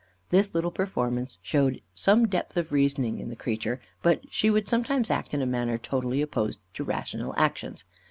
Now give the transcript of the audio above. This little performance showed some depth of reasoning in the creature, but she would sometimes act in a manner totally opposed to rational actions.